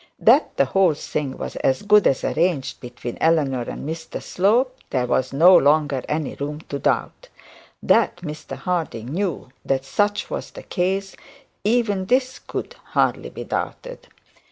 That the whole thing was as good as arranged between Eleanor and Mr Slope there was no longer any room to doubt. That Mr Harding knew that such was the case, even this could hardly be doubted.